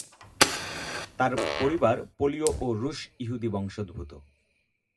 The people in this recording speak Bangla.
তার পরিবার পোলীয় ও রুশ ইহুদি বংশোদ্ভূত।